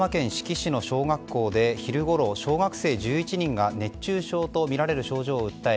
埼玉県志木市の小学校で昼ごろ小学生１１人が熱中症とみられる症状を訴え